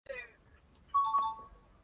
Su capital es la ciudad de Canta.